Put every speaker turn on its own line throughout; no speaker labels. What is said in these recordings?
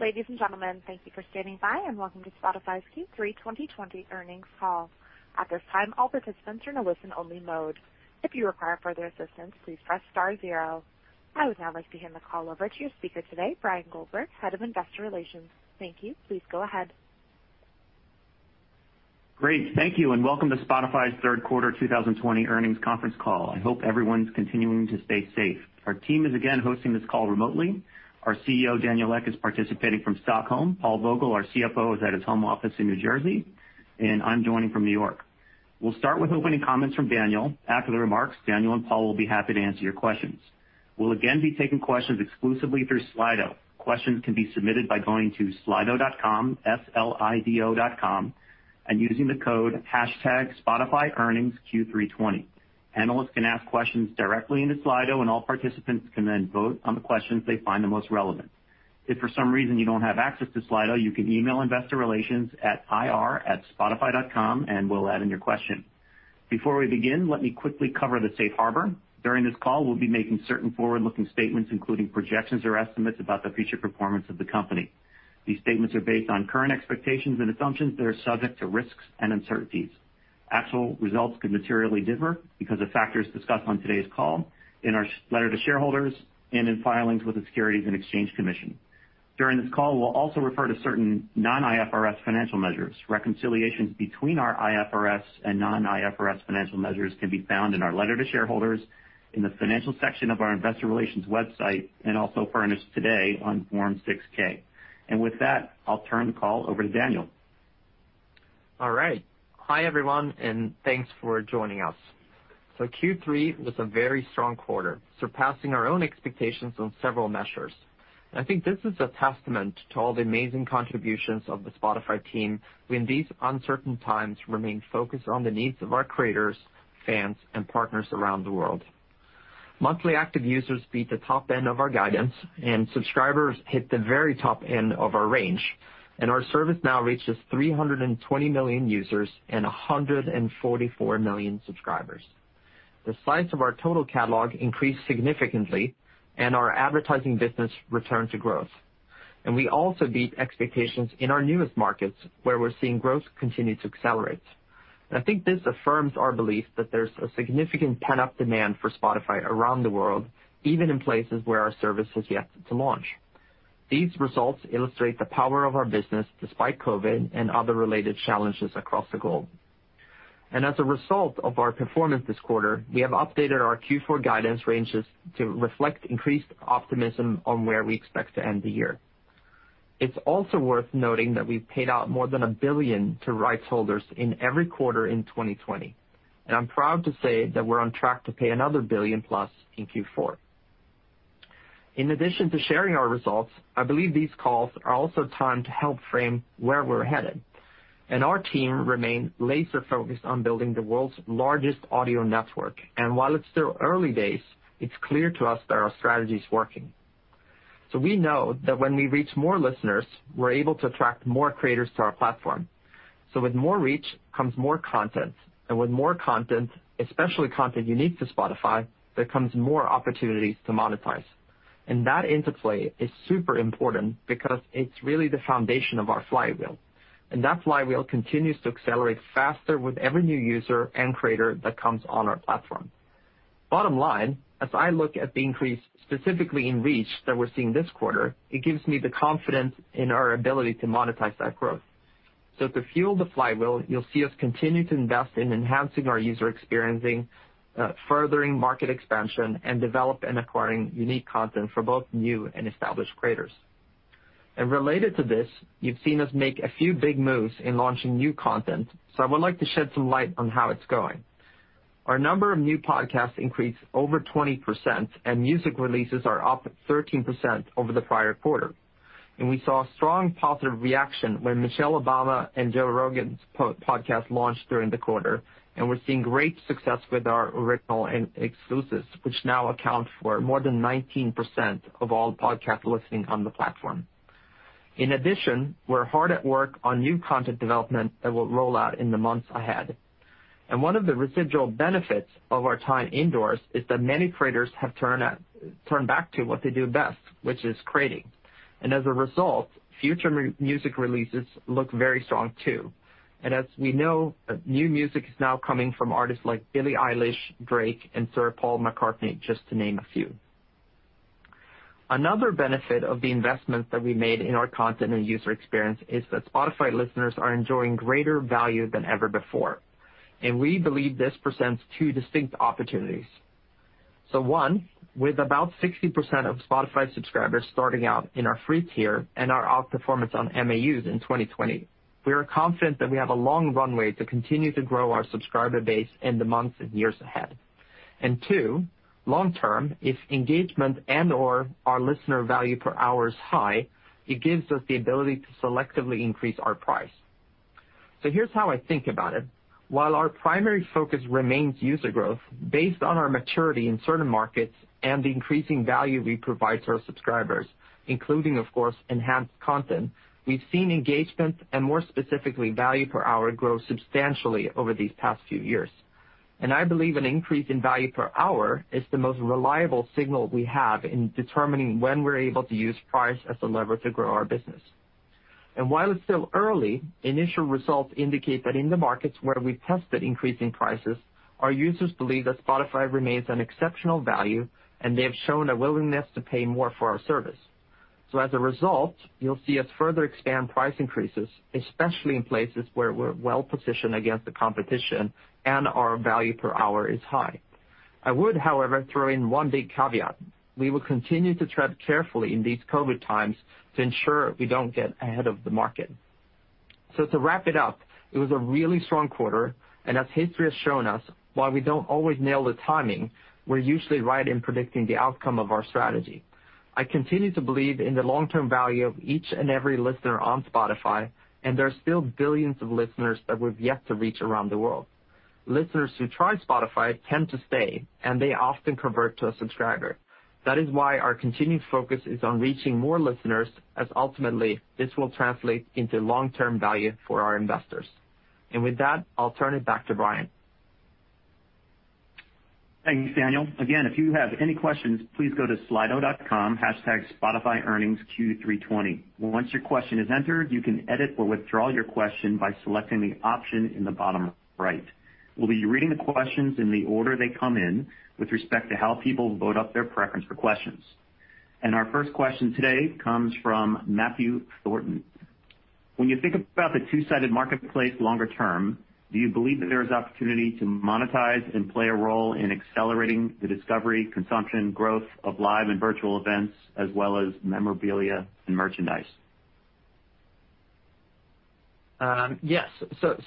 Ladies and gentlemen, thank you for standing by. Welcome to Spotify's Q3 2020 earnings call. At this time, all participants are in a listen-only mode. If you require further assistance, please press star zero. I would now like to hand the call over to your speaker today, Bryan Goldberg, Head of Investor Relations. Thank you. Please go ahead.
Great. Thank you, and welcome to Spotify's third quarter 2020 earnings conference call. I hope everyone's continuing to stay safe. Our team is again hosting this call remotely. Our CEO, Daniel Ek, is participating from Stockholm. Paul Vogel, our CFO, is at his home office in New Jersey. I'm joining from New York. We'll start with opening comments from Daniel. After the remarks, Daniel and Paul will be happy to answer your questions. We'll again be taking questions exclusively through Slido. Questions can be submitted by going to slido.com, S-L-I-D-O dot com, and using the code #spotifyearningsQ320. Analysts can ask questions directly into Slido, and all participants can then vote on the questions they find the most relevant. If for some reason you don't have access to Slido, you can email investor relations at ir@spotify.com and we'll add in your question. Before we begin, let me quickly cover the safe harbor. During this call, we'll be making certain forward-looking statements, including projections or estimates about the future performance of the company. These statements are based on current expectations and assumptions that are subject to risks and uncertainties. Actual results could materially differ because of factors discussed on today's call, in our letter to shareholders, and in filings with the Securities and Exchange Commission. During this call, we'll also refer to certain non-IFRS financial measures. Reconciliations between our IFRS and non-IFRS financial measures can be found in our letter to shareholders, in the financial section of our investor relations website, and also furnished today on Form 6-K. With that, I'll turn the call over to Daniel.
All right. Hi, everyone, and thanks for joining us. Q3 was a very strong quarter, surpassing our own expectations on several measures. I think this is a testament to all the amazing contributions of the Spotify team who in these uncertain times remain focused on the needs of our creators, fans, and partners around the world. Monthly active users beat the top end of our guidance, subscribers hit the very top end of our range, our service now reaches 320 million users and 144 million subscribers. The size of our total catalog increased significantly, our advertising business returned to growth. We also beat expectations in our newest markets, where we're seeing growth continue to accelerate. I think this affirms our belief that there's a significant pent-up demand for Spotify around the world, even in places where our service has yet to launch. These results illustrate the power of our business despite COVID and other related challenges across the globe. As a result of our performance this quarter, we have updated our Q4 guidance ranges to reflect increased optimism on where we expect to end the year. It's also worth noting that we've paid out more than a billion to rights holders in every quarter in 2020, and I'm proud to say that we're on track to pay another a billion-plus in Q4. In addition to sharing our results, I believe these calls are also a time to help frame where we're headed. Our team remains laser-focused on building the world's largest audio network. While it's still early days, it's clear to us that our strategy's working. We know that when we reach more listeners, we're able to attract more creators to our platform. With more reach comes more content, and with more content, especially content unique to Spotify, there comes more opportunities to monetize. That interplay is super important because it's really the foundation of our flywheel. That flywheel continues to accelerate faster with every new user and creator that comes on our platform. Bottom line, as I look at the increase specifically in reach that we're seeing this quarter, it gives me the confidence in our ability to monetize that growth. To fuel the flywheel, you'll see us continue to invest in enhancing our user experiencing, furthering market expansion, and develop and acquiring unique content for both new and established creators. Related to this, you've seen us make a few big moves in launching new content, so I would like to shed some light on how it's going. Our number of new podcasts increased over 20%, and music releases are up 13% over the prior quarter. We saw a strong positive reaction when Michelle Obama and Joe Rogan's podcast launched during the quarter, and we're seeing great success with our original and exclusives, which now account for more than 19% of all podcast listening on the platform. In addition, we're hard at work on new content development that we'll roll out in the months ahead. One of the residual benefits of our time indoors is that many creators have turned back to what they do best, which is creating. As a result, future music releases look very strong, too. As we know, new music is now coming from artists like Billie Eilish, Drake, and Sir Paul McCartney, just to name a few. Another benefit of the investments that we made in our content and user experience is that Spotify listeners are enjoying greater value than ever before. We believe this presents two distinct opportunities. One, with about 60% of Spotify subscribers starting out in our free tier and our outperformance on MAUs in 2020, we are confident that we have a long runway to continue to grow our subscriber base in the months and years ahead. Two, long term, if engagement and/or our listener value per hour is high, it gives us the ability to selectively increase our price. Here's how I think about it. While our primary focus remains user growth, based on our maturity in certain markets and the increasing value we provide to our subscribers, including, of course, enhanced content, we've seen engagement, and more specifically, value per hour, grow substantially over these past few years. I believe an increase in value per hour is the most reliable signal we have in determining when we're able to use price as a lever to grow our business. While it's still early, initial results indicate that in the markets where we've tested increasing prices, our users believe that Spotify remains an exceptional value, and they have shown a willingness to pay more for our service. As a result, you'll see us further expand price increases, especially in places where we're well-positioned against the competition and our value per hour is high. I would, however, throw in one big caveat. We will continue to tread carefully in these COVID times to ensure we don't get ahead of the market. To wrap it up, it was a really strong quarter, and as history has shown us, while we don't always nail the timing, we're usually right in predicting the outcome of our strategy. I continue to believe in the long-term value of each and every listener on Spotify, and there are still billions of listeners that we've yet to reach around the world. Listeners who try Spotify tend to stay, and they often convert to a subscriber. That is why our continued focus is on reaching more listeners, as ultimately, this will translate into long-term value for our investors. With that, I'll turn it back to Bryan.
Thank you, Daniel. Again, if you have any questions, please go to slido.com, #spotifyearningsQ320. Once your question is entered, you can edit or withdraw your question by selecting the option in the bottom right. We'll be reading the questions in the order they come in, with respect to how people vote up their preference for questions. Our first question today comes from Matthew Thornton. When you think about the two-sided marketplace longer term, do you believe that there is opportunity to monetize and play a role in accelerating the discovery, consumption, growth of live and virtual events, as well as memorabilia and merchandise?
Yes.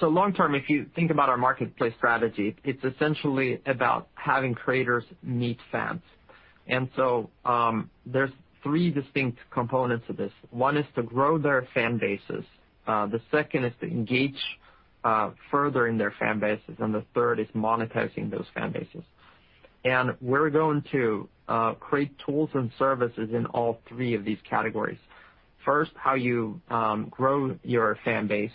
Long term, if you think about our marketplace strategy, it's essentially about having creators meet fans. There's three distinct components of this. One is to grow their fan bases, the second is to engage further in their fan bases, and the third is monetizing those fan bases. We're going to create tools and services in all three of these categories. First, how you grow your fan base,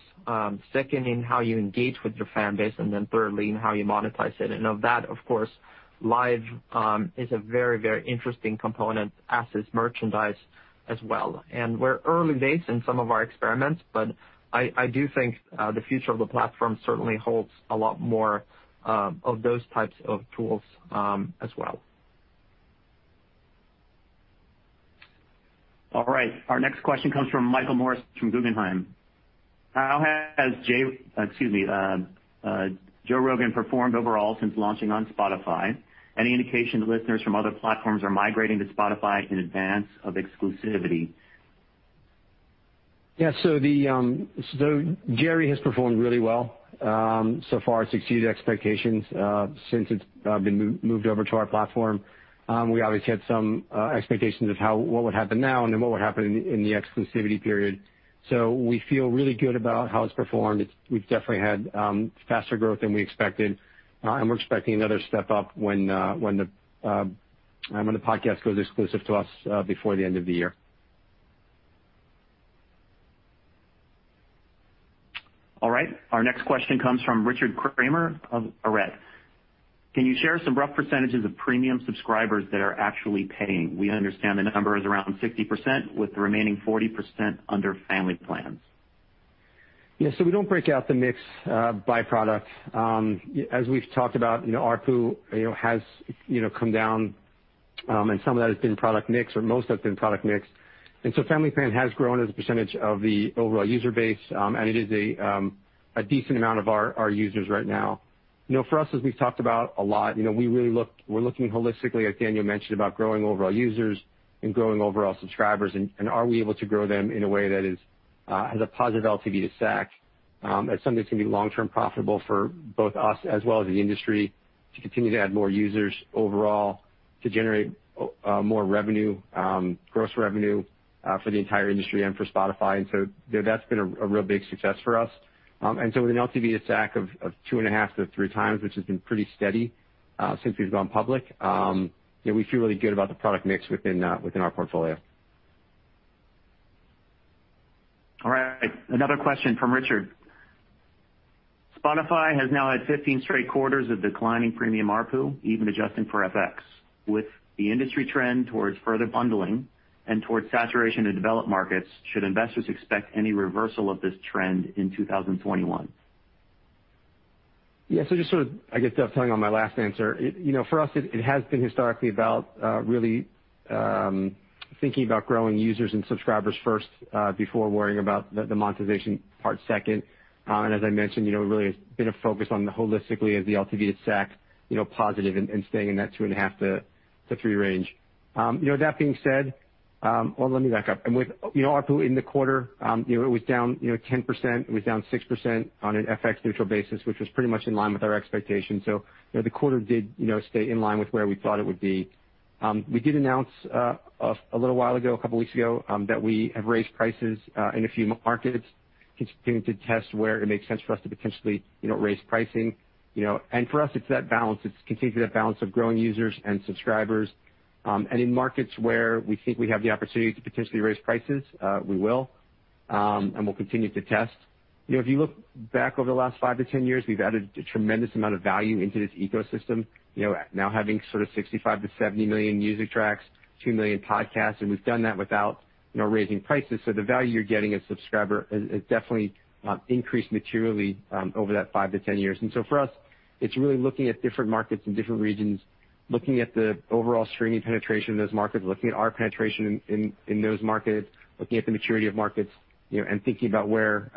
second in how you engage with your fan base, and then thirdly, in how you monetize it. Of that, of course, live is a very interesting component, as is merchandise as well. We're early days in some of our experiments, but I do think the future of the platform certainly holds a lot more of those types of tools as well.
All right. Our next question comes from Michael Morris from Guggenheim. How has Joe Rogan performed overall since launching on Spotify? Any indication that listeners from other platforms are migrating to Spotify in advance of exclusivity?
Yeah. Jerry has performed really well. So far, it's exceeded expectations since it's been moved over to our platform. We obviously had some expectations of what would happen now and then what would happen in the exclusivity period. We feel really good about how it's performed. We've definitely had faster growth than we expected. We're expecting another step up when the podcast goes exclusive to us before the end of the year.
All right. Our next question comes from Richard Kramer of Arete. Can you share some rough percentages of premium subscribers that are actually paying? We understand the number is around 60% with the remaining 40% under family plans.
Yeah. We don't break out the mix by product. As we've talked about, ARPU has come down, and some of that has been product mix, or most has been product mix. Family plan has grown as a percentage of the overall user base. It is a decent amount of our users right now. For us, as we've talked about a lot, we're looking holistically, as Daniel mentioned, about growing overall users and growing overall subscribers, and are we able to grow them in a way that has a positive LTV to SAC, that's something that's going to be long-term profitable for both us as well as the industry to continue to add more users overall to generate more revenue, gross revenue, for the entire industry and for Spotify. That's been a real big success for us. With an LTV to SAC of 2.5-3x, which has been pretty steady since we've gone public, we feel really good about the product mix within our portfolio.
All right. Another question from Richard. Spotify has now had 15 straight quarters of declining premium ARPU, even adjusting for FX. With the industry trend towards further bundling and towards saturation in developed markets, should investors expect any reversal of this trend in 2021?
Yeah. Just sort of, I guess, dovetailing on my last answer. For us, it has been historically about really thinking about growing users and subscribers first, before worrying about the monetization part second. As I mentioned, really has been a focus on the holistically as the LTV to SAC positive and staying in that 2.5-3 range. That being said. Let me back up. With ARPU in the quarter, it was down 10%. It was down 6% on an FX neutral basis, which was pretty much in line with our expectations. The quarter did stay in line with where we thought it would be. We did announce a little while ago, a couple of weeks ago, that we have raised prices in a few markets, continuing to test where it makes sense for us to potentially raise pricing. For us, it's that balance. It's continuing that balance of growing users and subscribers. In markets where we think we have the opportunity to potentially raise prices, we will. We'll continue to test. If you look back over the last 5-10 years, we've added a tremendous amount of value into this ecosystem, now having 65 million-70 million music tracks, 2 million podcasts, and we've done that without raising prices. The value you're getting as a subscriber has definitely increased materially over that 5-10 years. For us, it's really looking at different markets and different regions, looking at the overall streaming penetration in those markets, looking at our penetration in those markets, looking at the maturity of markets, and thinking about where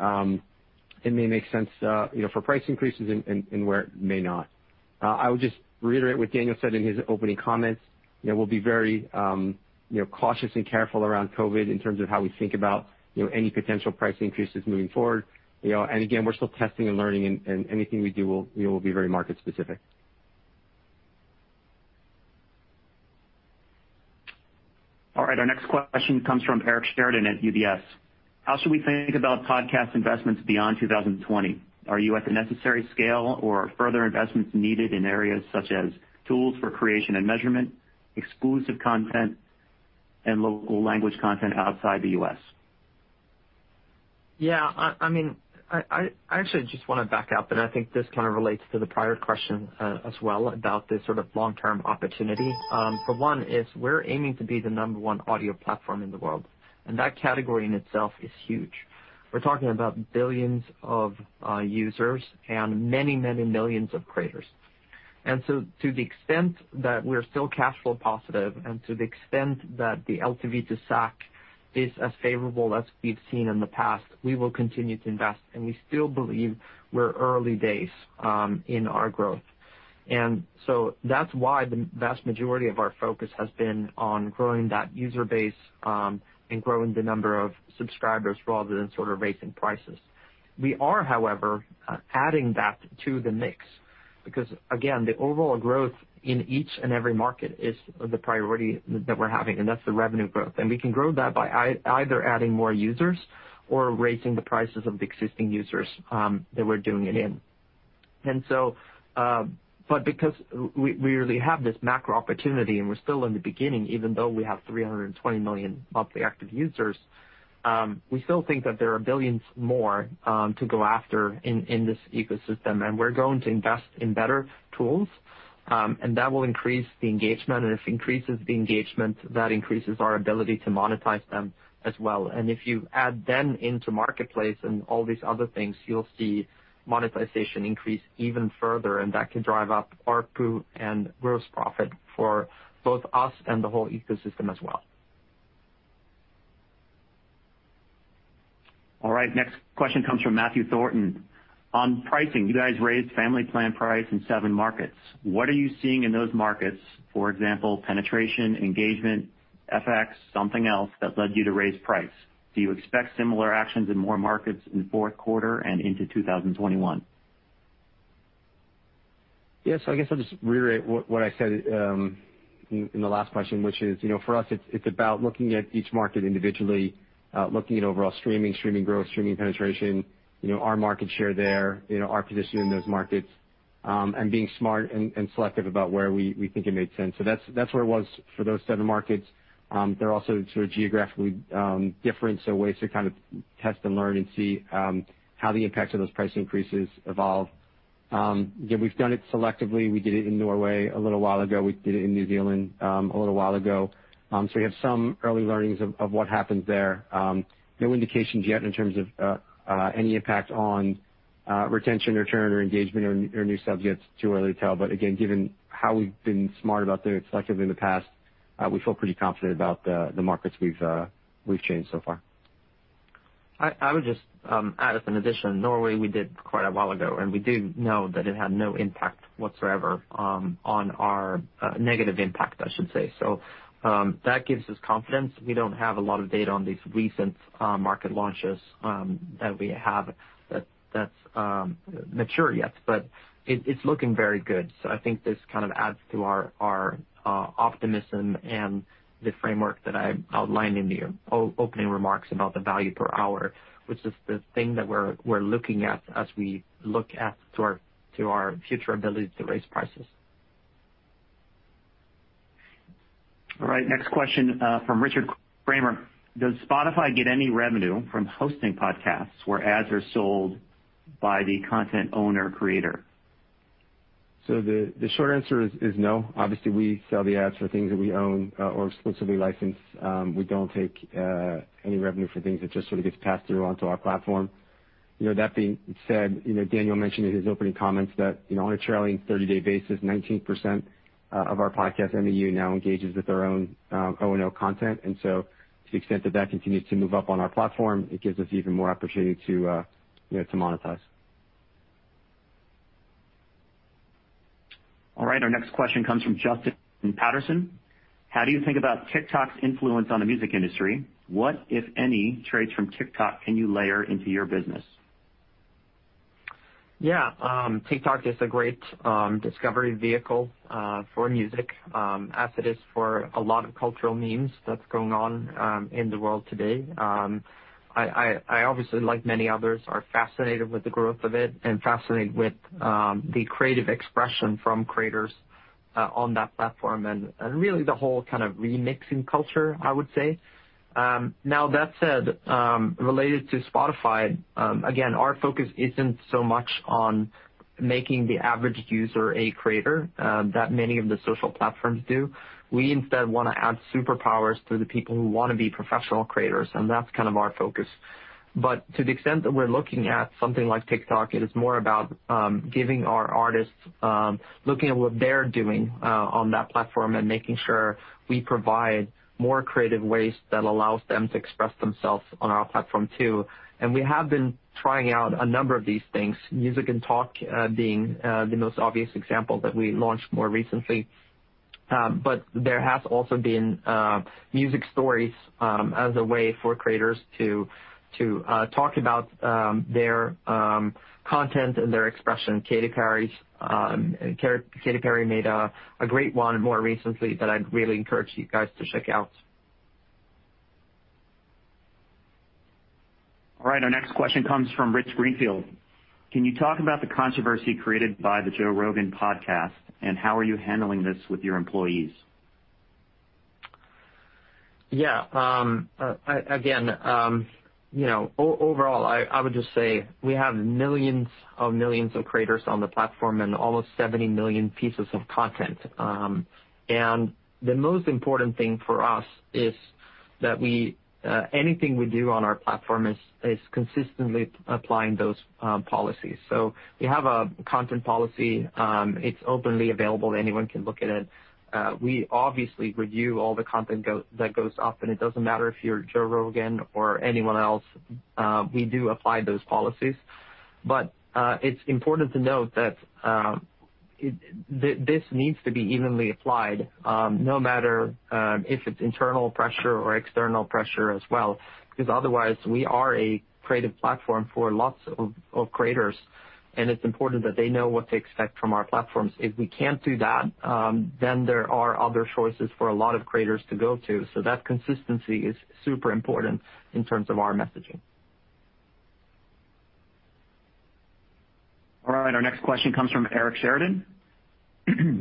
it may make sense for price increases and where it may not. I would just reiterate what Daniel said in his opening comments. We'll be very cautious and careful around COVID in terms of how we think about any potential price increases moving forward. Again, we're still testing and learning, and anything we do will be very market specific.
All right, our next question comes from Eric Sheridan at UBS. How should we think about podcast investments beyond 2020? Are you at the necessary scale or are further investments needed in areas such as tools for creation and measurement, exclusive content, and local language content outside the U.S.?
Yeah. I actually just want to back up. I think this kind of relates to the prior question as well about the sort of long-term opportunity. For one is we're aiming to be the number one audio platform in the world. That category in itself is huge. We're talking about billions of users and many millions of creators. To the extent that we're still cash flow positive, to the extent that the LTV to SAC is as favorable as we've seen in the past, we will continue to invest. We still believe we're early days in our growth. That's why the vast majority of our focus has been on growing that user base, and growing the number of subscribers rather than sort of raising prices. We are, however, adding that to the mix because, again, the overall growth in each and every market is the priority that we're having, and that's the revenue growth. We can grow that by either adding more users or raising the prices of the existing users that we're doing it in. Because we really have this macro opportunity and we're still in the beginning, even though we have 320 million Monthly Active Users, we still think that there are billions more to go after in this ecosystem. We're going to invest in better tools, and that will increase the engagement. If it increases the engagement, that increases our ability to monetize them as well. If you add them into Marketplace and all these other things, you'll see monetization increase even further, and that can drive up ARPU and gross profit for both us and the whole ecosystem as well.
All right. The next question comes from Matthew Thornton. On pricing, you guys raised Family Plan price in seven markets. What are you seeing in those markets? For example, penetration, engagement, FX, something else that led you to raise price? Do you expect similar actions in more markets in the fourth quarter and into 2021?
Yes. I guess I'll just reiterate what I said in the last question, which is, for us, it's about looking at each market individually, looking at overall streaming growth, streaming penetration, our market share there, our position in those markets, and being smart and selective about where we think it made sense. That's where it was for those seven markets. They're also sort of geographically different, so ways to kind of test and learn and see how the impacts of those price increases evolve. Again, we've done it selectively. We did it in Norway a little while ago. We did it in New Zealand a little while ago. We have some early learnings of what happens there. No indications yet in terms of any impact on retention, return, or engagement or new subjects. Too early to tell. Again, given how we've been smart about it selectively in the past, we feel pretty confident about the markets we've changed so far.
I would just add as an addition, Norway, we did quite a while ago, and we do know that it had no impact whatsoever on our negative impact, I should say. That gives us confidence. We don't have a lot of data on these recent market launches that we have that's mature yet, but it's looking very good. I think this kind of adds to our optimism and the framework that I outlined in the opening remarks about the value per hour, which is the thing that we're looking at as we look as to our future ability to raise prices.
All right. Next question from Richard Kramer. Does Spotify get any revenue from hosting podcasts where ads are sold by the content owner creator?
The short answer is no. Obviously, we sell the ads for things that we own or exclusively license. We don't take any revenue for things that just sort of gets passed through onto our platform. That being said, Daniel mentioned in his opening comments that on a trailing 30-day basis, 19% of our podcast MAU now engages with their own O&E content. To the extent that that continues to move up on our platform, it gives us even more opportunity to monetize.
All right. Our next question comes from Justin Patterson. How do you think about TikTok's influence on the music industry? What, if any, traits from TikTok can you layer into your business?
Yeah. TikTok is a great discovery vehicle for music, as it is for a lot of cultural memes that's going on in the world today. I, obviously, like many others, are fascinated with the growth of it and fascinated with the creative expression from creators on that platform, and really the whole kind of remixing culture, I would say. Now, that said, related to Spotify, again, our focus isn't so much on making the average user a creator that many of the social platforms do. We instead want to add superpowers to the people who want to be professional creators. That's kind of our focus. To the extent that we're looking at something like TikTok, it is more about giving our artists, looking at what they're doing on that platform, and making sure we provide more creative ways that allow them to express themselves on our platform too. We have been trying out a number of these things, Music + Talk being the most obvious example that we launched more recently. But there has also been Music Stories, as a way for creators to talk about their content and their expression. Katy Perry made a great one more recently that I'd really encourage you guys to check out.
All right. Our next question comes from Rich Greenfield. Can you talk about the controversy created by the Joe Rogan podcast, and how are you handling this with your employees?
Yeah. Again, overall, I would just say we have millions of creators on the platform and almost 70 million pieces of content. The most important thing for us is that anything we do on our platform is consistently applying those policies. We have a content policy. It's openly available, anyone can look at it. We obviously review all the content that goes up, and it doesn't matter if you're Joe Rogan or anyone else, we do apply those policies. It's important to note that this needs to be evenly applied, no matter if it's internal pressure or external pressure as well, because otherwise, we are a creative platform for lots of creators, and it's important that they know what to expect from our platforms. If we can't do that, then there are other choices for a lot of creators to go to. That consistency is super important in terms of our messaging.
All right. Our next question comes from Eric Sheridan. Can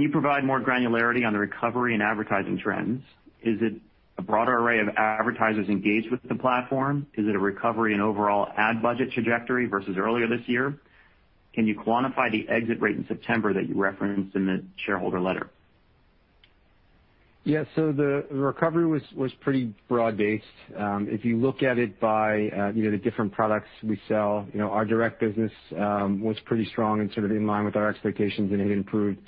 you provide more granularity on the recovery and advertising trends? Is it a broader array of advertisers engaged with the platform? Is it a recovery in overall ad budget trajectory versus earlier this year? Can you quantify the exit rate in September that you referenced in the shareholder letter?
Yeah. The recovery was pretty broad-based. If you look at it by the different products we sell, our direct business was pretty strong and sort of in line with our expectations, and it improved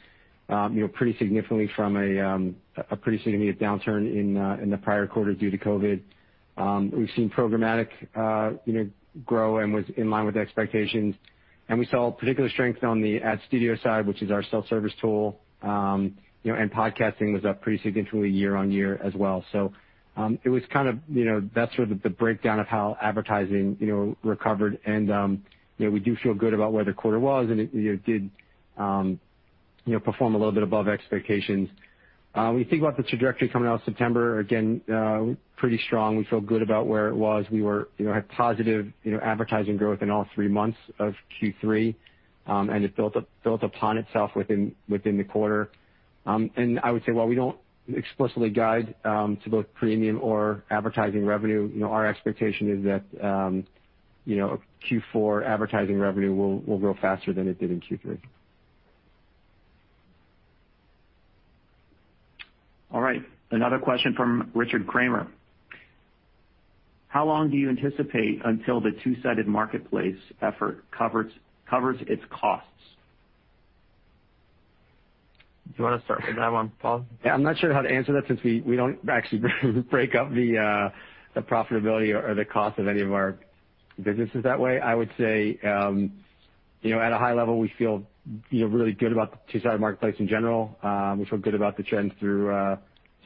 pretty significantly from a pretty significant downturn in the prior quarter due to COVID. We've seen programmatic grow and was in line with the expectations, and we saw particular strength on the Ad Studio side, which is our self-service tool. Podcasting was up pretty significantly year-on-year as well. That's sort of the breakdown of how advertising recovered. We do feel good about where the quarter was, and it did perform a little bit above expectation. When you think about the trajectory coming out September, again, pretty strong. We feel good about where it was. We had positive advertising growth in all three months of Q3, and it built upon itself within the quarter. I would say while we don't explicitly guide to both premium or advertising revenue, our expectation is that Q4 advertising revenue will grow faster than it did in Q3.
All right. Another question from Richard Kramer. How long do you anticipate until the two-sided marketplace effort covers its costs?
Do you want to start with that one, Paul?
Yeah. I'm not sure how to answer that since we don't actually break up the profitability or the cost of any of our businesses that way. I would say, at a high level, we feel really good about the two-sided marketplace in general. We feel good about the trends through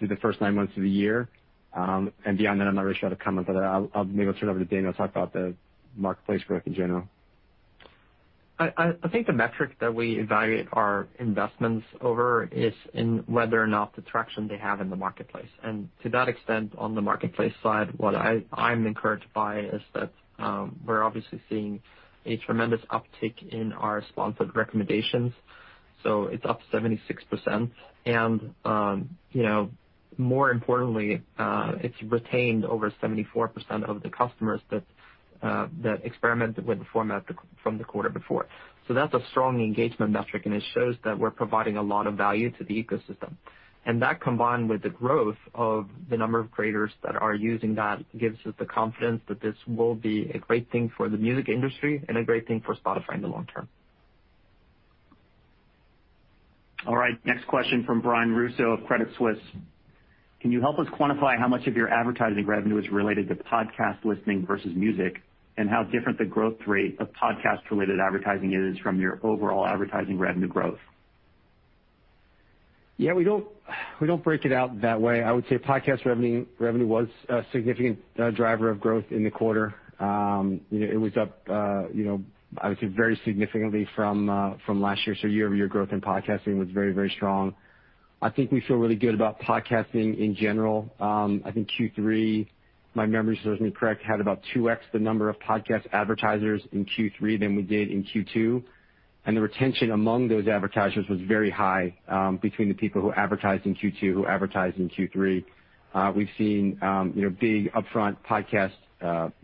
the first nine months of the year. Beyond that, I'm not really sure how to comment, but I'll maybe turn over to Daniel to talk about the marketplace growth in general.
I think the metric that we evaluate our investments over is in whether or not the traction they have in the marketplace. To that extent, on the marketplace side, what I'm encouraged by is that we're obviously seeing a tremendous uptick in our sponsored recommendations. It's up 76%, and more importantly, it's retained over 74% of the customers that experimented with the format from the quarter before. That's a strong engagement metric, and it shows that we're providing a lot of value to the ecosystem. That, combined with the growth of the number of creators that are using that, gives us the confidence that this will be a great thing for the music industry and a great thing for Spotify in the long term.
All right. Next question from Brian Russo of Credit Suisse. Can you help us quantify how much of your advertising revenue is related to podcast listening versus music, and how different the growth rate of podcast-related advertising is from your overall advertising revenue growth?
Yeah, we don't break it out that way. I would say podcast revenue was a significant driver of growth in the quarter. It was up, I would say, very significantly from last year. Year-over-year growth in podcasting was very, very strong. I think we feel really good about podcasting in general. I think Q3, if my memory serves me correct, had about 2x the number of podcast advertisers in Q3 than we did in Q2, and the retention among those advertisers was very high between the people who advertised in Q2, who advertised in Q3. We've seen big upfront podcast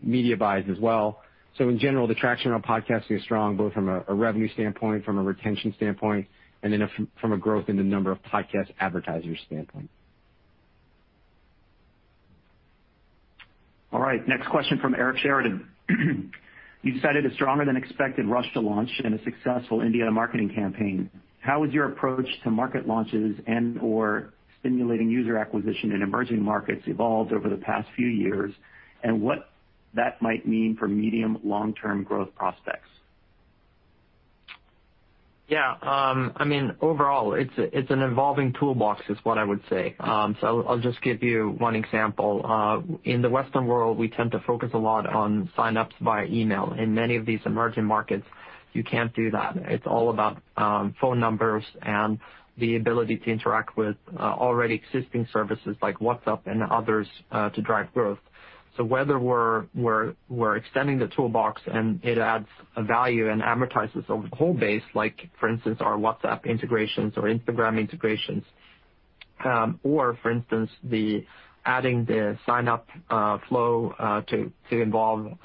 media buys as well. In general, the traction on podcasting is strong, both from a revenue standpoint, from a retention standpoint, and then from a growth in the number of podcast advertisers standpoint.
All right, next question from Eric Sheridan. You've cited a stronger-than-expected Russia launch and a successful India marketing campaign. How has your approach to market launches and/or stimulating user acquisition in emerging markets evolved over the past few years, and what that might mean for medium long-term growth prospects?
Yeah. Overall, it's an evolving toolbox, is what I would say. I'll just give you one example. In the Western world, we tend to focus a lot on sign-ups via email. In many of these emerging markets, you can't do that. It's all about phone numbers and the ability to interact with already existing services like WhatsApp and others to drive growth. Whether we're extending the toolbox and it adds a value and advertises a whole base, like for instance, our WhatsApp integrations or Instagram integrations, or, for instance, the adding the sign-up flow to involve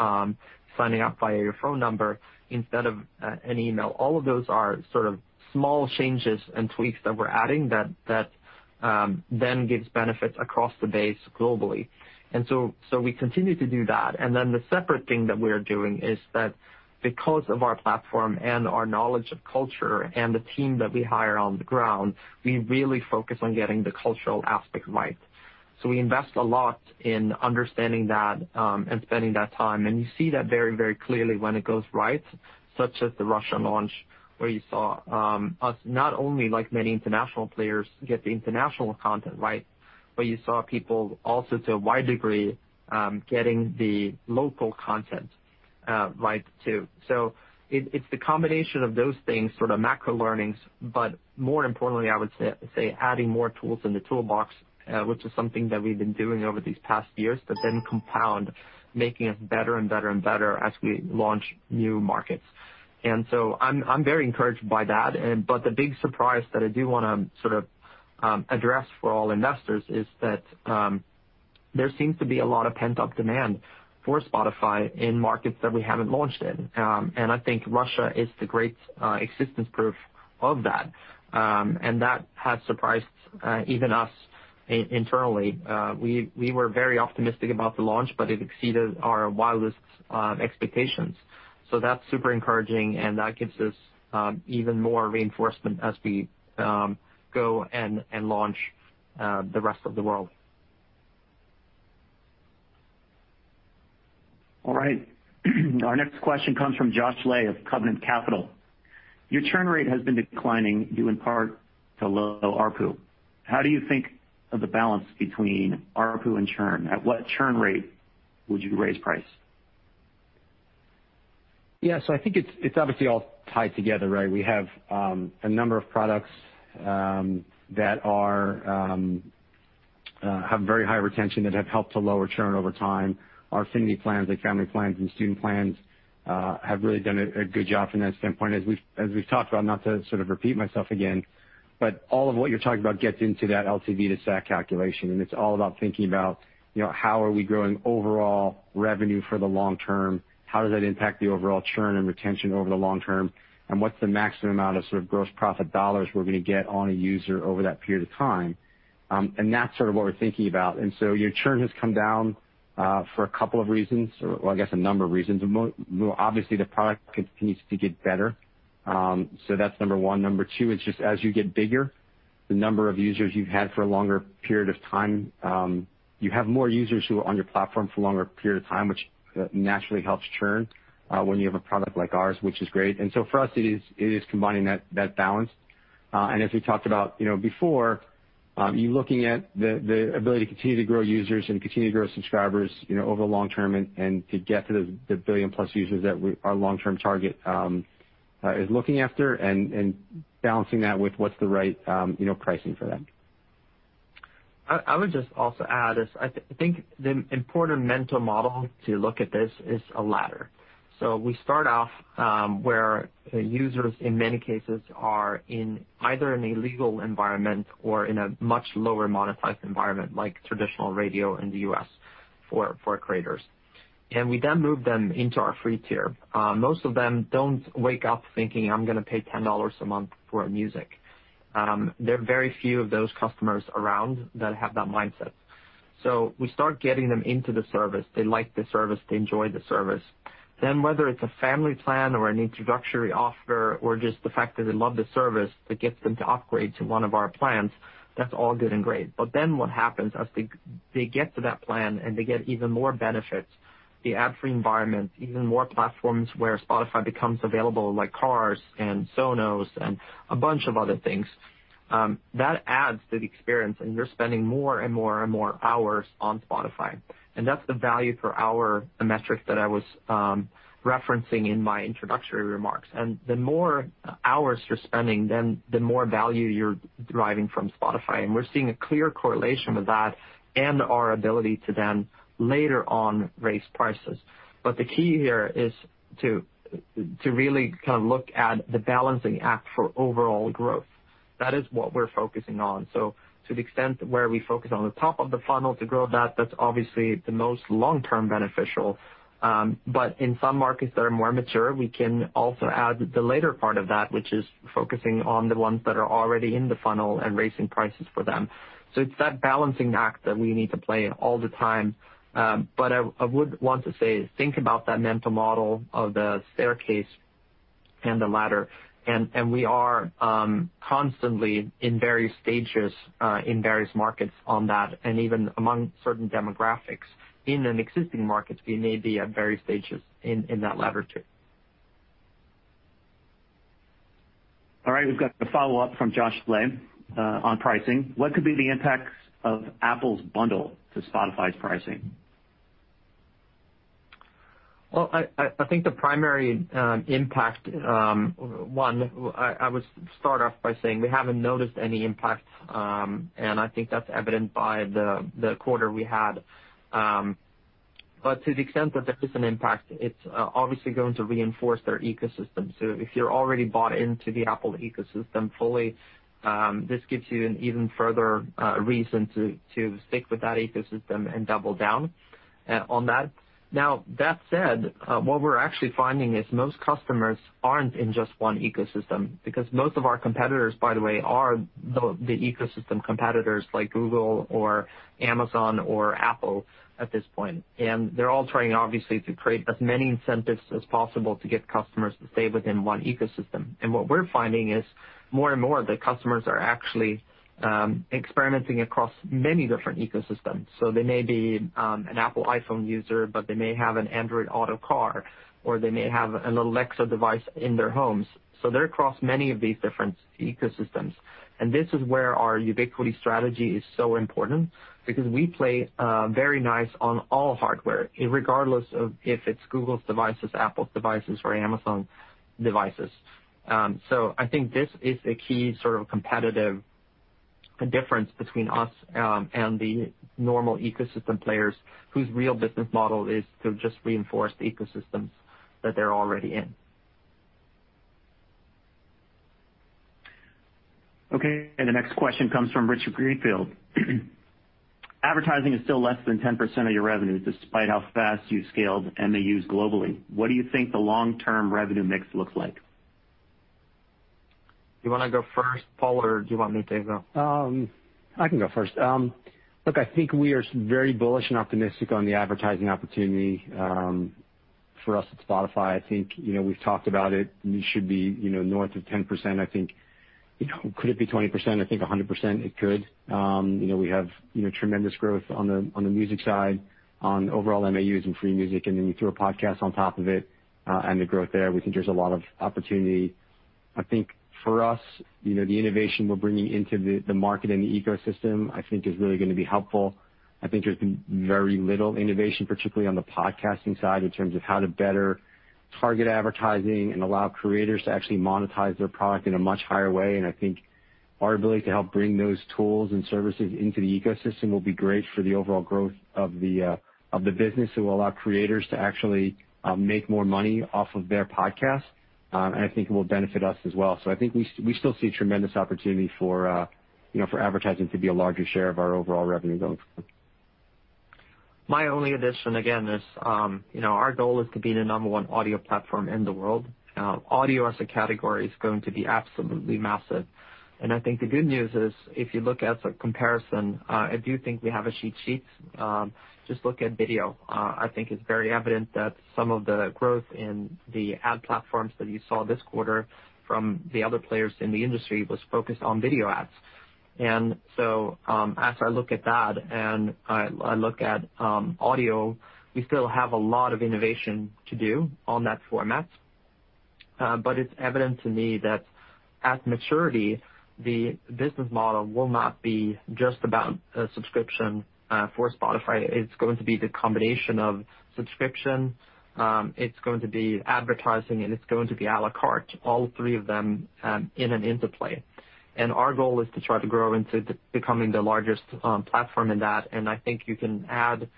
signing up via your phone number instead of an email. All of those are sort of small changes and tweaks that we're adding that then gives benefits across the base globally. We continue to do that. Then the separate thing that we're doing is that because of our platform and our knowledge of culture and the team that we hire on the ground, we really focus on getting the cultural aspect right. We invest a lot in understanding that and spending that time, and you see that very, very clearly when it goes right, such as the Russia launch, where you saw us, not only like many international players, get the international content right, but you saw people also, to a wide degree, getting the local content right too. It's the combination of those things, sort of macro learnings, but more importantly, I would say, adding more tools in the toolbox, which is something that we've been doing over these past years, then compound making us better and better and better as we launch new markets. I'm very encouraged by that. The big surprise that I do want to sort of address for all investors is that there seems to be a lot of pent-up demand for Spotify in markets that we haven't launched in. I think Russia is the great existence proof of that, and that has surprised even us internally. We were very optimistic about the launch, but it exceeded our wildest expectations. That's super encouraging, and that gives us even more reinforcement as we go and launch the rest of the world.
All right. Our next question comes from Josh Le of Covenant Capital. Your churn rate has been declining due in part to low ARPU. How do you think of the balance between ARPU and churn? At what churn rate would you raise price?
Yeah. I think it's obviously all tied together, right? We have a number of products that have very high retention that have helped to lower churn over time. Our affinity plans, like family plans and student plans, have really done a good job from that standpoint. As we've talked about, not to sort of repeat myself again, but all of what you're talking about gets into that LTV to SAC calculation, and it's all about thinking about how are we growing overall revenue for the long term, how does that impact the overall churn and retention over the long term, and what's the maximum amount of sort of gross profit dollars we're going to get on a user over that period of time? That's sort of what we're thinking about. Your churn has come down for a couple of reasons, or I guess a number of reasons. Obviously, the product continues to get better, so that's number one. Number two, it's just as you get bigger, the number of users you've had for a longer period of time, you have more users who are on your platform for longer period of time, which naturally helps churn when you have a product like ours, which is great. For us, it is combining that balance. As we talked about before, you're looking at the ability to continue to grow users and continue to grow subscribers over the long term, and to get to the billion-plus users that our long-term target is looking after and balancing that with what's the right pricing for them.
I would just also add is I think the important mental model to look at this is a ladder. We start off where the users, in many cases, are in either in a legal environment or in a much lower monetized environment, like traditional radio in the U.S. for creators. We then move them into our free tier. Most of them don't wake up thinking, "I'm going to pay $10 a month for music." There are very few of those customers around that have that mindset. We start getting them into the service. They like the service. They enjoy the service. Whether it's a family plan or an introductory offer or just the fact that they love the service that gets them to upgrade to one of our plans, that's all good and great. What happens as they get to that plan, and they get even more benefits, the ad-free environment, even more platforms where Spotify becomes available, like cars, Sonos, and a bunch of other things. That adds to the experience, and you're spending more and more hours on Spotify. That's the value for our, the metric that I was referencing in my introductory remarks. The more hours you're spending, then the more value you're deriving from Spotify. We're seeing a clear correlation with that and our ability to then later on raise prices. The key here is to really look at the balancing act for overall growth. That is what we're focusing on. To the extent where we focus on the top of the funnel to grow that's obviously the most long-term beneficial. In some markets that are more mature, we can also add the later part of that, which is focusing on the ones that are already in the funnel and raising prices for them. It's that balancing act that we need to play all the time. I would want to say, think about that mental model of the staircase and the ladder, and we are constantly in various stages, in various markets on that. Even among certain demographics in an existing market, we may be at various stages in that ladder, too.
All right. We've got a follow-up from Josh Le on pricing. What could be the impacts of Apple's bundle to Spotify's pricing?
I think the primary impact, one, I would start off by saying we haven't noticed any impact, and I think that's evident by the quarter we had. To the extent that there is an impact, it's obviously going to reinforce their ecosystem. If you're already bought into the Apple ecosystem fully, this gives you an even further reason to stick with that ecosystem and double down on that. That said, what we're actually finding is most customers aren't in just one ecosystem, because most of our competitors, by the way, are the ecosystem competitors like Google, Amazon, or Apple at this point. They're all trying, obviously, to create as many incentives as possible to get customers to stay within one ecosystem. What we're finding is more and more, the customers are actually experimenting across many different ecosystems. They may be an Apple iPhone user, but they may have an Android Auto car, or they may have an Alexa device in their homes. They're across many of these different ecosystems. This is where our ubiquity strategy is so important because we play very nice on all hardware, irregardless of if it's Google's devices, Apple's devices, or Amazon devices. I think this is a key sort of competitive difference between us and the normal ecosystem players whose real business model is to just reinforce the ecosystems that they're already in.
Okay. The next question comes from Richard Greenfield. Advertising is still less than 10% of your revenues, despite how fast you've scaled MAUs globally. What do you think the long-term revenue mix looks like?
Do you want to go first, Paul, or do you want me to take that?
I can go first. Look, I think we are very bullish and optimistic on the advertising opportunity for us at Spotify. I think we've talked about it. We should be north of 10%. I think, could it be 20%? I think 100% it could. We have tremendous growth on the music side, on overall MAUs and free music, and then you throw podcasts on top of it, and the growth there. We think there's a lot of opportunity. I think for us, the innovation we're bringing into the market and the ecosystem, I think is really going to be helpful. I think there's been very little innovation, particularly on the podcasting side, in terms of how to better target advertising and allow creators to actually monetize their product in a much higher way. I think our ability to help bring those tools and services into the ecosystem will be great for the overall growth of the business. It will allow creators to actually make more money off of their podcasts, and I think it will benefit us as well. I think we still see tremendous opportunity for advertising to be a larger share of our overall revenue going forward.
My only addition, again, is our goal is to be the number one audio platform in the world. Audio as a category is going to be absolutely massive. I think the good news is if you look at a comparison, I do think we have a cheat sheet. Just look at video. I think it's very evident that some of the growth in the ad platforms that you saw this quarter from the other players in the industry was focused on video ads. As I look at that and I look at audio, we still have a lot of innovation to do on that format. It's evident to me that at maturity, the business model will not be just about a subscription for Spotify. It's going to be the combination of subscription, it's going to be advertising, and it's going to be à la carte, all three of them in an interplay. Our goal is to try to grow into becoming the largest platform in that. I think you can add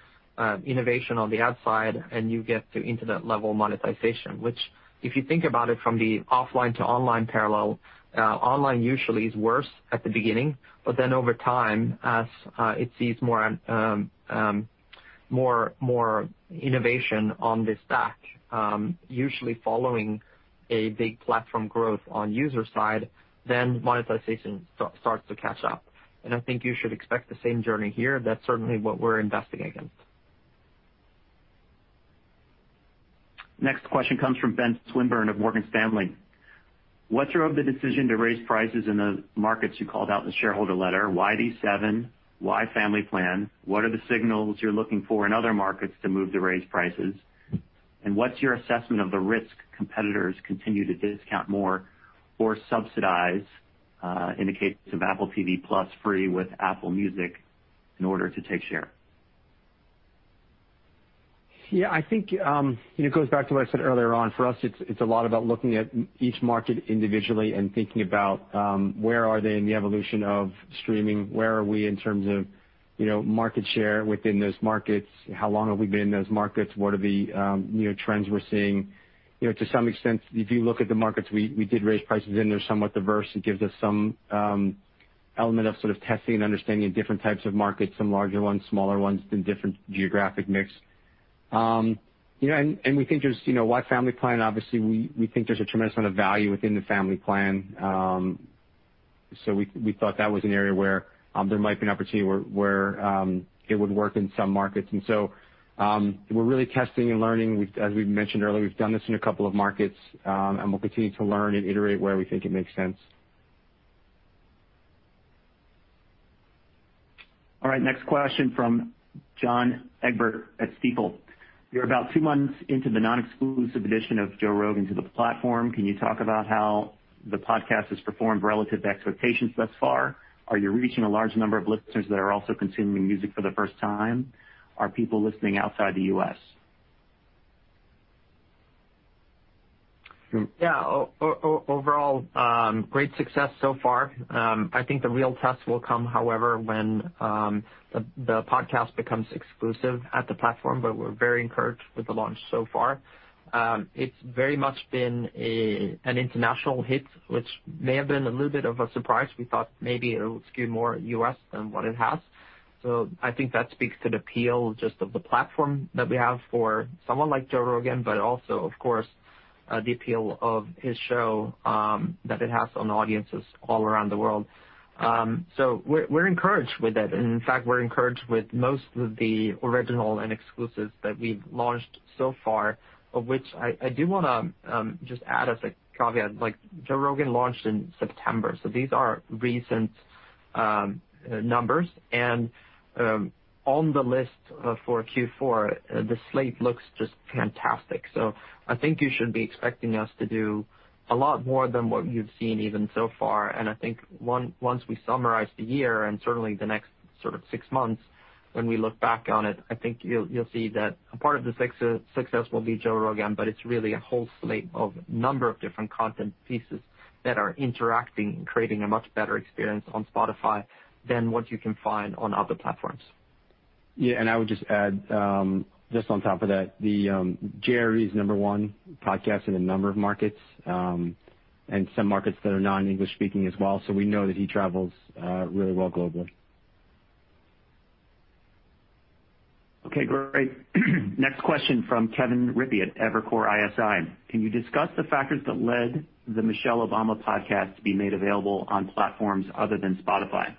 innovation on the ad side, and you get to internet-level monetization. Which, if you think about it from the offline to online parallel, online usually is worse at the beginning, but then over time, as it sees more innovation on the stack, usually following a big platform growth on user side, then monetization starts to catch up. I think you should expect the same journey here. That's certainly what we're investing against.
Next question comes from Ben Swinburne of Morgan Stanley. What's your assessment of the decision to raise prices in the markets you called out in the shareholder letter? Why these seven? Why Family Plan? What are the signals you're looking for in other markets to move to raise prices? What's your assessment of the risk competitors continue to discount more or subsidize, in the case of Apple TV+, free with Apple Music, in order to take share?
Yeah, I think it goes back to what I said earlier on. For us, it's a lot about looking at each market individually and thinking about where are they in the evolution of streaming, where are we in terms of market share within those markets, how long have we been in those markets, what are the trends we're seeing. To some extent, if you look at the markets we did raise prices in, they're somewhat diverse. It gives us some element of sort of testing and understanding of different types of markets, some larger ones, smaller ones in different geographic mix. We think there's, why Family Plan, obviously, we think there's a tremendous amount of value within the Family Plan. We thought that was an area where there might be an opportunity where it would work in some markets. We're really testing and learning. As we've mentioned earlier, we've done this in a couple of markets, and we'll continue to learn and iterate where we think it makes sense.
All right, next question from John Egbert at Stifel. You're about two months into the non-exclusive addition of Joe Rogan to the platform. Can you talk about how the podcast has performed relative to expectations thus far? Are you reaching a large number of listeners that are also consuming music for the first time? Are people listening outside the U.S.?
Yeah. Overall, great success so far. I think the real test will come, however, when the podcast becomes exclusive at the platform, but we're very encouraged with the launch so far. It's very much been an international hit, which may have been a little bit of a surprise. We thought maybe it would skew more U.S. than what it has. I think that speaks to the appeal just of the platform that we have for someone like Joe Rogan, but also, of course, the appeal of his show, that it has on audiences all around the world. We're encouraged with it. In fact, we're encouraged with most of the original and exclusives that we've launched so far. Of which I do want to just add as a caveat, Joe Rogan launched in September, so these are recent numbers. On the list for Q4, the slate looks just fantastic. I think you should be expecting us to do a lot more than what you've seen even so far. I think once we summarize the year and certainly the next sort of six months, when we look back on it, I think you'll see that a part of the success will be Joe Rogan, but it's really a whole slate of number of different content pieces that are interacting and creating a much better experience on Spotify than what you can find on other platforms.
I would just add, just on top of that, Jerry is number one podcast in a number of markets, and some markets that are non-English-speaking as well. We know that he travels really well globally.
Okay, great. Next question from Kevin Rippey at Evercore ISI. Can you discuss the factors that led The Michelle Obama Podcast to be made available on platforms other than Spotify?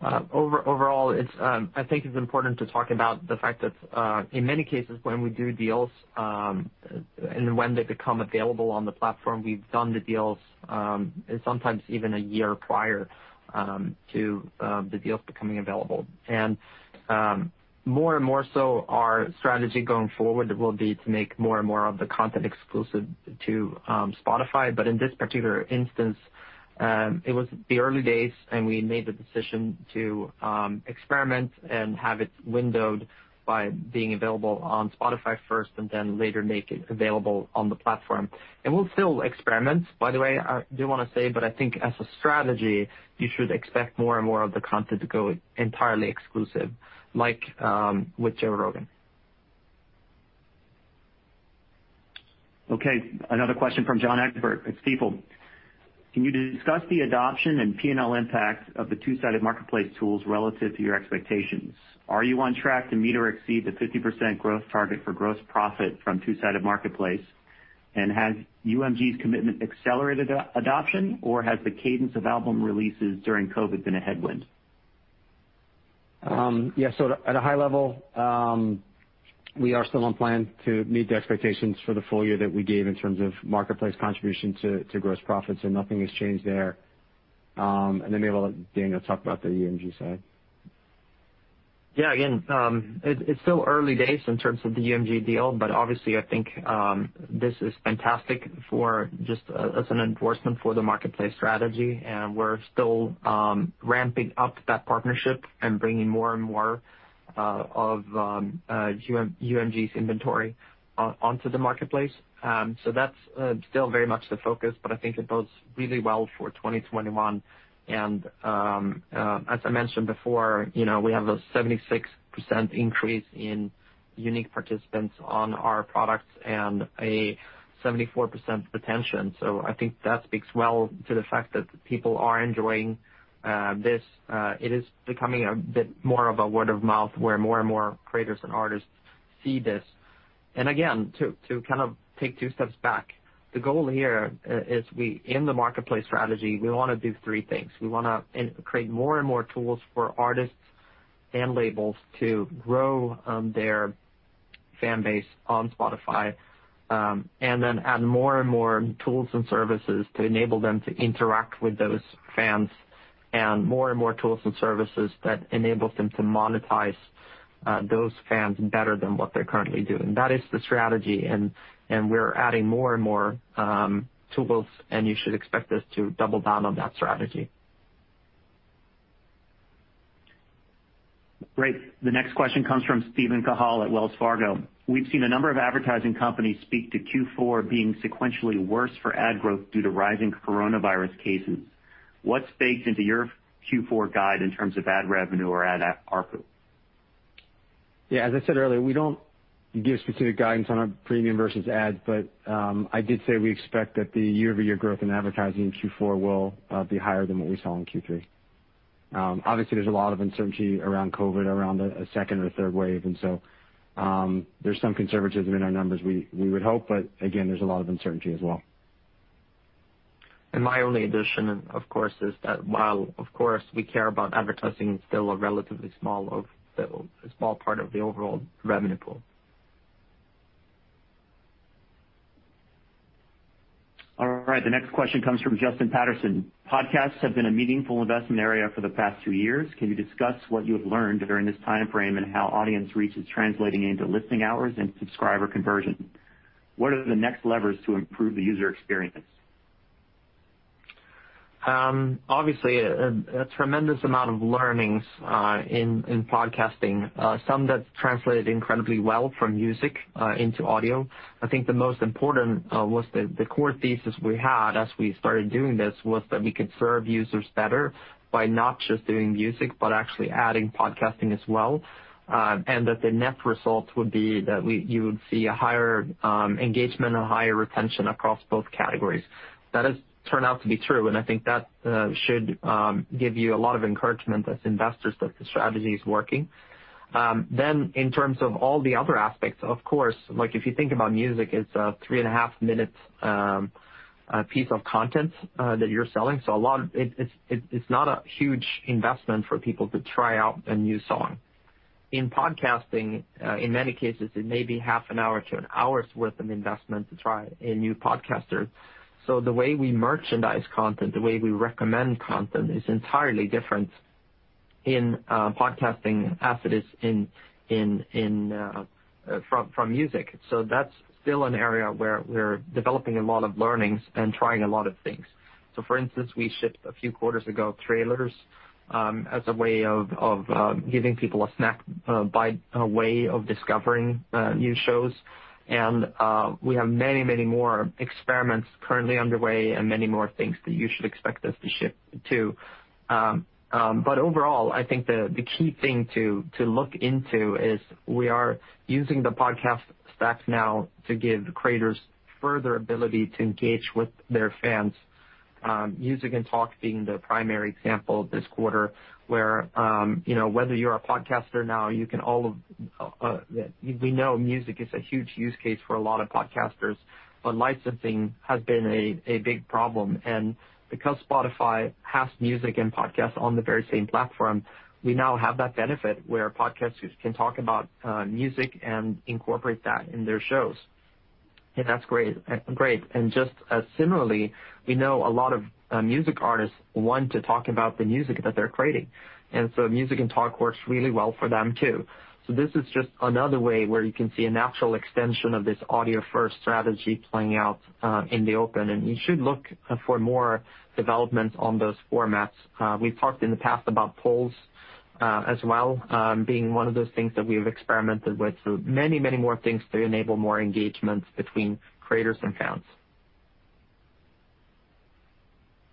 Overall, I think it's important to talk about the fact that, in many cases, when we do deals, and when they become available on the platform, we've done the deals, sometimes even a year prior to the deals becoming available. More and more so, our strategy going forward will be to make more and more of the content exclusive to Spotify. In this particular instance, it was the early days, and we made the decision to experiment and have it windowed by being available on Spotify first and then later make it available on the platform. We'll still experiment, by the way, I do want to say, but I think as a strategy, you should expect more and more of the content to go entirely exclusive, like with Joe Rogan.
Okay. Another question from John Egbert at Stifel. Can you discuss the adoption and P&L impact of the two-sided marketplace tools relative to your expectations? Are you on track to meet or exceed the 50% growth target for gross profit from the two-sided marketplace? Has UMG's commitment accelerated adoption, or has the cadence of album releases during COVID been a headwind?
Yeah. At a high level, we are still on plan to meet the expectations for the full year that we gave in terms of marketplace contribution to gross profits, nothing has changed there. Maybe I'll let Daniel talk about the UMG side.
Yeah. Again, it's still early days in terms of the UMG deal. Obviously, I think this is fantastic as an endorsement for the marketplace strategy. We're still ramping up that partnership and bringing more and more of UMG's inventory onto the marketplace. That's still very much the focus. I think it bodes really well for 2021. As I mentioned before, we have a 76% increase in unique participants on our products and a 74% retention. I think that speaks well to the fact that people are enjoying this. It is becoming a bit more of a word-of-mouth, where more and more creators and artists see this. Again, to kind of take two steps back, the goal here is in the marketplace strategy, we want to do three things. We want to create more and more tools for artists and labels to grow their fan base on Spotify, and then add more and more tools and services to enable them to interact with those fans. More and more tools and services that enable them to monetize those fans better than what they're currently doing. That is the strategy, and we're adding more and more tools, and you should expect us to double down on that strategy.
Great. The next question comes from Steven Cahall at Wells Fargo. "We've seen a number of advertising companies speak to Q4 being sequentially worse for ad growth due to rising coronavirus cases. What's baked into your Q4 guide in terms of ad revenue or ad ARPU?
Yeah, as I said earlier, we don't give specific guidance on our premium versus ads, but I did say we expect that the year-over-year growth in advertising in Q4 will be higher than what we saw in Q3. Obviously, there's a lot of uncertainty around COVID, around a second or third wave, and so there's some conservatism in our numbers, we would hope, but again, there's a lot of uncertainty as well.
My only addition, of course, is that while, of course, we care about advertising, it's still a relatively small part of the overall revenue pool.
All right. The next question comes from Justin Patterson. "Podcasts have been a meaningful investment area for the past two years. Can you discuss what you have learned during this timeframe and how audience reach is translating into listening hours and subscriber conversion? What are the next levers to improve the user experience?
Obviously, a tremendous amount of learnings in podcasting, some that translated incredibly well from music into audio. I think the most important was the core thesis we had as we started doing this was that we could serve users better by not just doing music, but actually adding podcasting as well. That the net result would be that you would see a higher engagement and higher retention across both categories. That has turned out to be true, and I think that should give you a lot of encouragement as investors that the strategy is working. In terms of all the other aspects, of course, if you think about music, it's a three-and-a-half minute piece of content that you're selling. It's not a huge investment for people to try out a new song. In podcasting, in many cases, it may be half an hour to an hour's worth of investment to try a new podcaster. The way we merchandise content, the way we recommend content, is entirely different in podcasting from music. That's still an area where we're developing a lot of learnings and trying a lot of things. For instance, we shipped a few quarters ago, Trailers, as a way of giving people a snack by way of discovering new shows. We have many more experiments currently underway and many more things that you should expect us to ship too. Overall, I think the key thing to look into is we are using the podcast stacks now to give creators further ability to engage with their fans. Music + Talk being the primary example this quarter, where whether you're a podcaster now, we know music is a huge use case for a lot of podcasters, but licensing has been a big problem. Because Spotify has music and podcasts on the very same platform, we now have that benefit where podcasters can talk about music and incorporate that in their shows. That's great. Just similarly, we know a lot of music artists want to talk about the music that they're creating, Music + Talk works really well for them too. This is just another way where you can see a natural extension of this audio-first strategy playing out in the open. You should look for more developments on those formats. We've talked in the past about Polls as well, being one of those things that we've experimented with. Many more things to enable more engagement between creators and fans.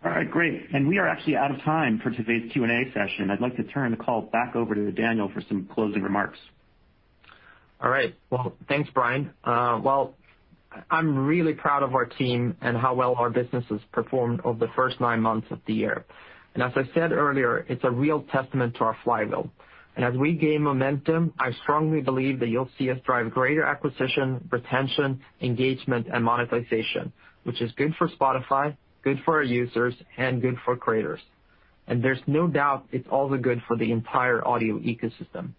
All right, great. We are actually out of time for today's Q&A session. I'd like to turn the call back over to Daniel for some closing remarks.
All right. Well, thanks, Bryan. Well, I'm really proud of our team and how well our business has performed over the first nine months of the year. As I said earlier, it's a real testament to our flywheel. As we gain momentum, I strongly believe that you'll see us drive greater acquisition, retention, engagement, and monetization, which is good for Spotify, good for our users, and good for creators. There's no doubt it's also good for the entire audio ecosystem.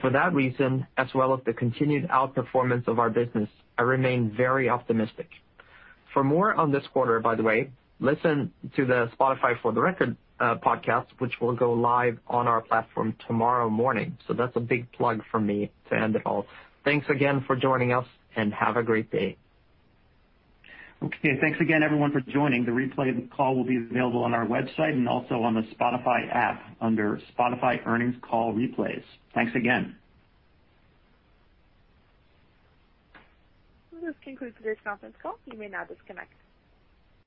For that reason, as well as the continued outperformance of our business, I remain very optimistic. For more on this quarter, by the way, listen to the Spotify For the Record podcast, which will go live on our platform tomorrow morning. That's a big plug for me to end it all. Thanks again for joining us, and have a great day.
Okay. Thanks again, everyone, for joining. The replay of the call will be available on our website and also on the Spotify app under Spotify earnings call replays. Thanks again.
This concludes today's conference call. You may now disconnect.